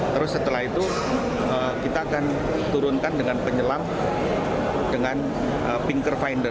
terus setelah itu kita akan turunkan dengan penyelam dengan pinker finder